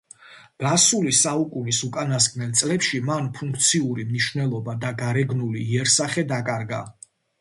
გასული საუკუნის უკანასკნელ წლებში მან ფუნქციური მნიშვნელობა და გარეგნული იერსახე დაკარგა.